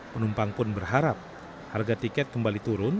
penumpang pun berharap harga tiket kembali turun